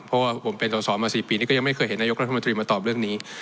เพราะว่าผมเป็นสอสอมา๔ปีนี้ก็ยังไม่เคยเห็นนายกรัฐมนตรีมาตอบเรื่องนี้